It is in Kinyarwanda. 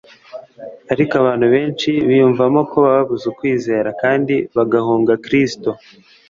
Ariko abantu benshi biyumvamo ko babuze kwizera, kandi bagahunga Kristo.